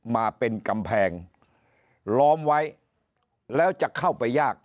มาเป็นกำแพงล้อมไว้แล้วจะเข้าไปยาก